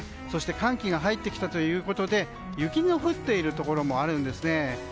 そして寒気が入ってきたということで雪の降っているところもあるんですね。